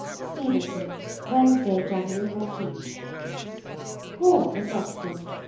XX. STEVENTON, Wednesday (January 14). POOR Miss Austen!